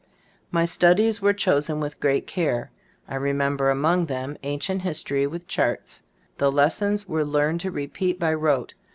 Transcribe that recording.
My studies were chosen with great care. I remember among them, an cient history with charts. The lessons were learned to repeat by rote.